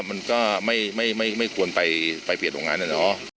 มันก็ไม่ควรไปเปลี่ยนตรงนั้นนะ